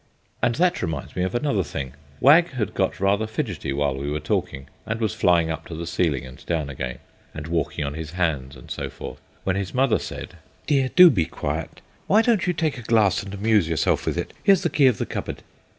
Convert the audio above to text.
And that reminds me of another thing. Wag had got rather fidgety while we were talking, and was flying up to the ceiling and down again, and walking on his hands, and so forth, when his mother said: "Dear, do be quiet. Why don't you take a glass and amuse yourself with it? Here's the key of the cupboard."